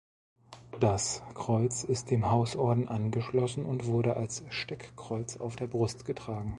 Das Kreuz ist dem Hausorden angeschlossen und wurde als Steckkreuz auf der Brust getragen.